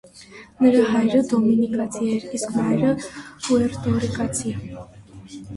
Նրա հայրը դոմինիկացի է, իսկ մայրը՝ պուերտոռիկացի։